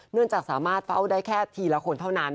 เนื่องจากสามารถเฝ้าได้แค่ทีละคนเท่านั้น